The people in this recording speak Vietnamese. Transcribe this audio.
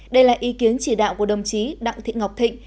đây là ý kiến chỉ đạo của đồng chí đặng thị ngọc thịnh